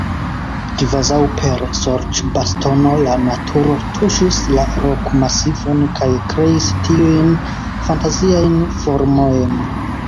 Kvazaŭ per sorĉbastono la naturo tuŝis la rokmasivon kaj kreis tiujn fantaziajn formojn.